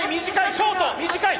ショート短い！